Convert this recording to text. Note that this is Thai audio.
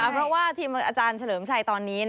เพราะว่าทีมอาจารย์เฉลิมชัยตอนนี้